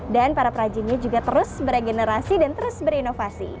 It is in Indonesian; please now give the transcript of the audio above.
dan para perrajinnya juga terus bergenerasi dan terus berinovasi